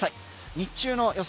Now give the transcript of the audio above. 日中の予想